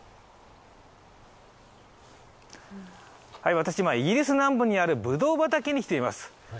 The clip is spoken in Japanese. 私はイギリス南部にあるぶどう畑に来ています。